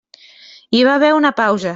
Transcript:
Hi va haver una pausa.